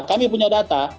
kami punya data